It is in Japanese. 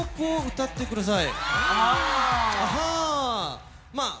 歌ってください。